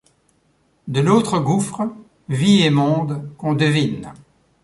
De-l’autre gouffre, vie et monde, qu’on devine